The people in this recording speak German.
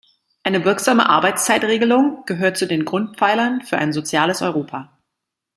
Eine wirksame Arbeitszeitregelung gehört zu den Grundpfeilern für ein soziales Europa.